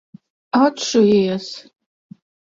Atšujies!